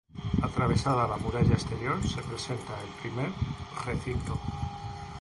Atravesada la muralla exterior, se presenta el primer recinto.